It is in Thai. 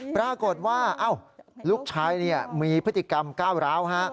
ปรากฏว่าลูกชายมีพฤติกรรมก้าวร้าวฮะ